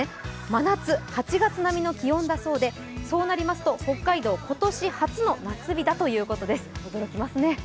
真夏、８月並みの気温だそうでそうなりますと北海道今年初の夏日だということです、驚きますね。